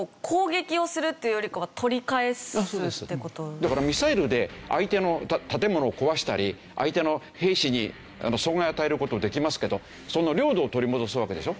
だからミサイルで相手の建物を壊したり相手の兵士に損害を与える事できますけどその領土を取り戻すわけでしょ？